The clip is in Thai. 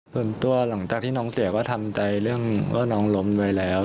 ส่วนตัวหลังจากที่น้องเสียก็ทำใจเรื่องว่าน้องล้มด้วยแล้ว